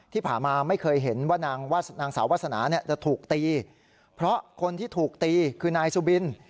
ที่ผ่านมาไม่เคยเห็นว่านางสาววาสนาจะถูกตีเพราะคนที่ถูกตีคือนายสุบิน